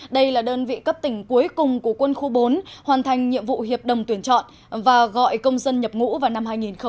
đây là đơn vị cấp tỉnh cuối cùng của quân khu bốn hoàn thành nhiệm vụ hiệp đồng tuyển chọn và gọi công dân nhập ngũ vào năm hai nghìn một mươi chín